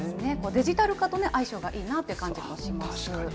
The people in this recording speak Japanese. デジタル化と相性がいいなという確かにね。